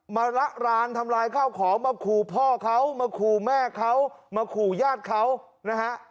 มาละร้านทำลายข้าวของมาขู่พ่อเขามาขู่แม่เขามาขู่ญาติเขานะฮะ